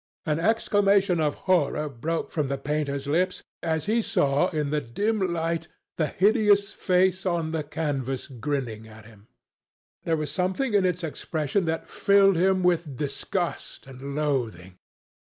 An exclamation of horror broke from the painter's lips as he saw in the dim light the hideous face on the canvas grinning at him. There was something in its expression that filled him with disgust and loathing.